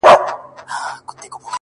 o د سترگو تور مي د ايستو لائق دي،